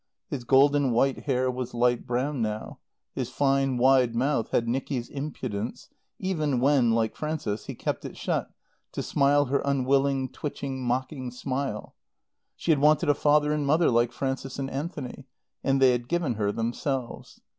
His golden white hair was light brown now; his fine, wide mouth had Nicky's impudence, even when, like Frances, he kept it shut to smile her unwilling, twitching, mocking smile. She had wanted a father and mother like Frances and Anthony; and they had given her themselves.